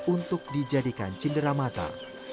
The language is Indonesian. untuk dijadikan cinderamata